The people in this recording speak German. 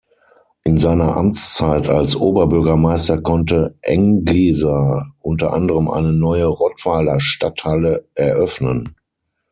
In seiner Amtszeit als Oberbürgermeister konnte Engeser unter anderem eine neue Rottweiler Stadthalle eröffnen.